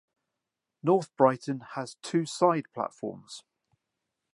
North Brighton has two side platforms.